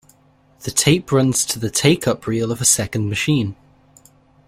The tape runs to the take-up reel of a second machine.